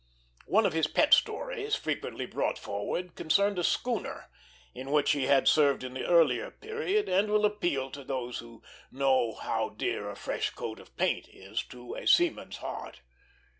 One of his pet stories, frequently brought forward, concerned a schooner in which he had served in the earlier period, and will appeal to those who know how dear a fresh coat of paint is to a seaman's heart.